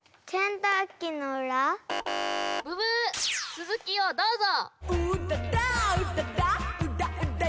つづきをどうぞ！